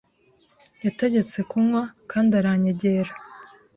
yategetse kunywa kandi aranyegera